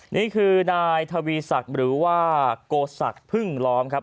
นี่คือนายทวีศักดิ์หรือว่าโกศักดิ์พึ่งล้อมครับ